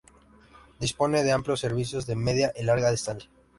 Dispone de amplios servicios de media y larga distancia.